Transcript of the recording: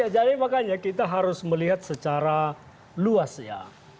jadi makanya kita harus melihat secara luas ya